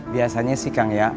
biasanya sih kang ya